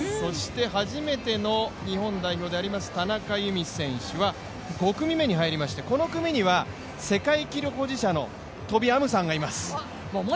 初めての日本代表であります田中佑美選手は５組目に入りましてこの組には、世界記録保持者のトビ・アムサンがいます。